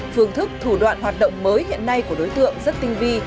phương thức thủ đoạn hoạt động mới hiện nay của đối tượng rất tinh vi